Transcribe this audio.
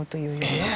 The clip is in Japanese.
えっ！